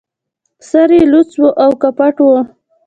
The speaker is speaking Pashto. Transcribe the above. سر يې لڅ و او که پټ و